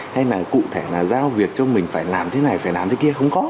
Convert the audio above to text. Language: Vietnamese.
hay là cụ thể là giao việc cho mình phải làm thế này phải làm thế kia không có